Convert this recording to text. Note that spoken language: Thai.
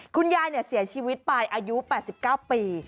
คุณยายเนี่ยเสียชีวิตปลายอายุ๘๙ปี